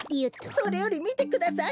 それよりみてください